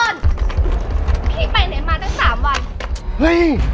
พี่ไปไหนมาตั้งสามวันเฮ้ย